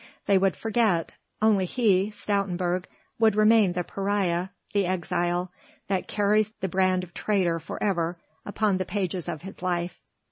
They would forget, only he Stoutenburg would remain the pariah, the exile, that carries the brand of traitor for ever upon the pages of his life.